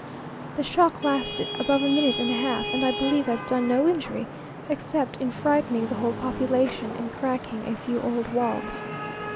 The shock lasted above a minute and a half, and I believe has done no injury, except in frightening the whole population, and cracking a few old walls.